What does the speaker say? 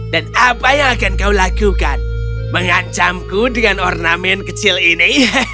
dan apa yang akan kau lakukan mengancamku dengan ornamen kecil ini